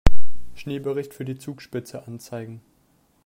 Schneebericht für die Zugspitze anzeigen.